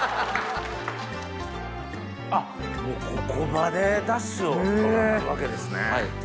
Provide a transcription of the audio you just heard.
あっもうここまでダシを取らはるわけですね。